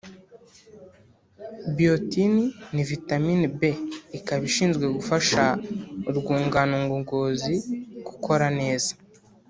Biotin ni vitamine B ikaba ishinzwe gufasha urwungano ngogozi gukora neza